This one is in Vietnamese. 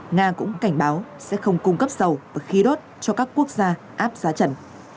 nga cũng cảnh báo sẽ không cung cấp dầu và khí đốt cho các quốc gia áp giá trần